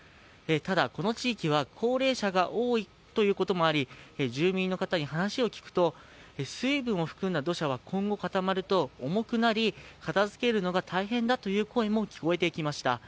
ただ、この地域は高齢者が多いということもあり、住民の方に話を聞くと、水分を含んだ土砂は今後、固まると、重くなり、片づけるのが大変だという声も聞こえてきました。